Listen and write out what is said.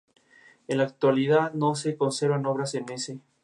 Sus ágiles prestaciones han hecho que se gane el apodo de "cohete blanco".